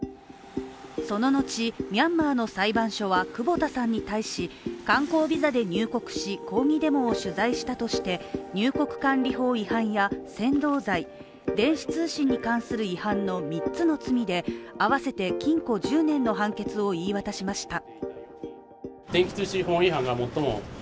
その後、ミャンマーの裁判所は久保田さんに対し、観光ビザで入国し、抗議デモを取材したとして入国管理法違反や煽動罪、電子通信に関する違反の３つの罪で合わせて禁錮１０年の判決を言い渡しました。